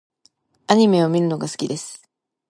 アニメを見るのが好きです。